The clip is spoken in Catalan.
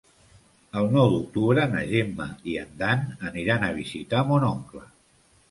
El nou d'octubre na Gemma i en Dan aniran a visitar mon oncle.